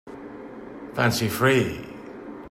Fancy-free